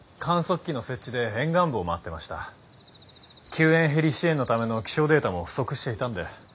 救援ヘリ支援のための気象データも不足していたんで。